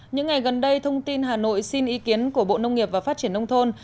những ngày gần đây thông tin hà nội xin ý kiến của bộ nông nghiệp và phát triển nông thôn